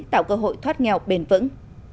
tạo cơ hội thoát nghèo bền vững